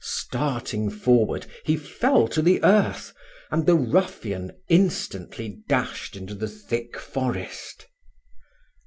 Starting forward, he fell to the earth, and the ruffian instantly dashed into the thick forest.